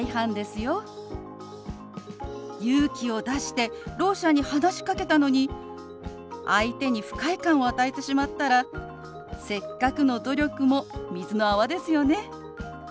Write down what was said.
勇気を出してろう者に話しかけたのに相手に不快感を与えてしまったらせっかくの努力も水の泡ですよね。